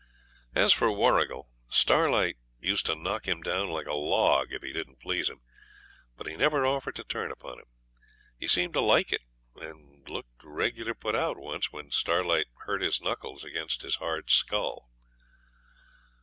As for Warrigal, Starlight used to knock him down like a log if he didn't please him, but he never offered to turn upon him. He seemed to like it, and looked regular put out once when Starlight hurt his knuckles against his hard skull.